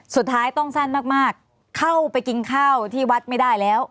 สุดท้ายต้องสั้นมากเข้าไปกินข้าวที่วัดไม่ได้แล้ว